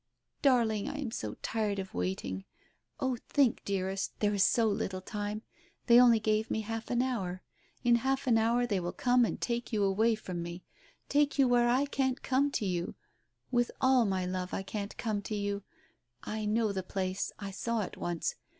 " Darling, I am so tired of waiting. Oh, think, dear est. There is so little time. They only gave me half an hour. In half an hour they will come and take you away from me — take you where I can't come to you — with all my love I can't come to you I I know the place — I saw it once.